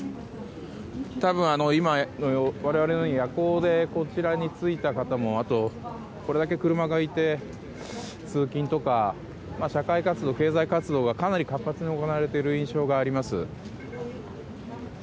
多分今、我々のように夜行でこちらに着いた方もこれだけ車がいて通勤とか社会活動、経済活動がかなり活発に行われている印象があります。